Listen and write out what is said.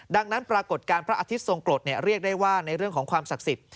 ดังนั้นปรากฏการณ์พระอาทิตย์ทรงกรดเรียกได้ว่าในเรื่องของความศักดิ์สิทธิ